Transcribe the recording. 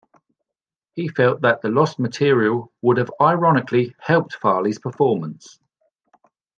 He felt that the lost material would have ironically helped Farley's performance.